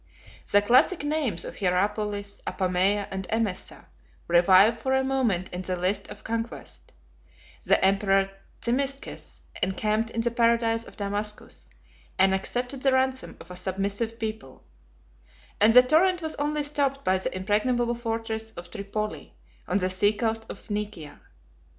The classic names of Hierapolis, Apamea, and Emesa, revive for a moment in the list of conquest: the emperor Zimisces encamped in the paradise of Damascus, and accepted the ransom of a submissive people; and the torrent was only stopped by the impregnable fortress of Tripoli, on the sea coast of Phoenicia.